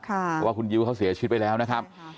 เพราะว่าคุณยิ้วเขาเสียชีวิตไปแล้วนะครับ